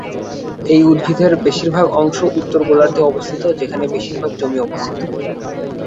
এই উদ্ভিদের বেশিরভাগ অংশ উত্তর গোলার্ধে অবস্থিত যেখানে বেশিরভাগ জমি অবস্থিত।